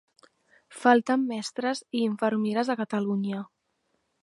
Falten mestres i infermeres a Catalunya.